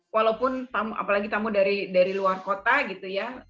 walaupun apalagi tamu dari luar kota gitu ya